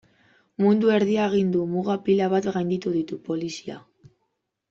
Mundu erdia egin du, muga pila bat gainditu ditu, polizia...